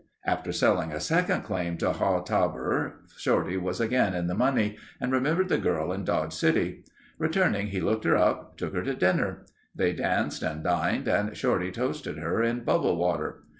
After selling a second claim to Haw Tabor, Shorty was again in the money and remembered the girl in Dodge City. Returning, he looked her up, took her to dinner. They danced and dined and Shorty toasted her in "bubble water."